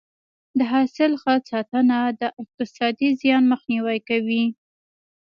د حاصل ښه ساتنه د اقتصادي زیان مخنیوی کوي.